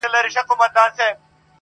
دا چي دي په سرو اناري سونډو توره نښه ده،